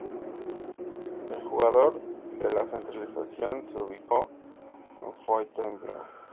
El lugar de centralización se ubicó a Fontainebleau.